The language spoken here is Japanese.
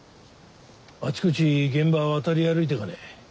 あちこち現場渡り歩いてかね？